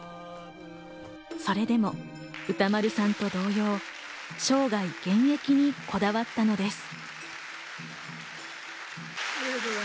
それでも歌丸さんと同様、生涯現役にこだわったのです。